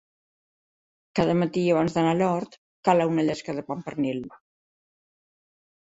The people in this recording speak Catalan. Cada matí, abans d'anar a l'hort, cala una llesca de pa amb pernil.